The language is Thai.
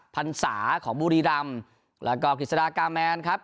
พรรษาของบุรีรำแล้วก็กฤษฎากาแมนครับ